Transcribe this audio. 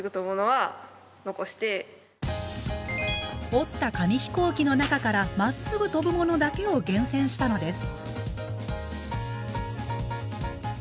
折った紙飛行機の中からまっすぐ飛ぶものだけを厳選したのです。